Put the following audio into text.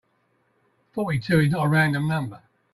Forty-two is not a random number.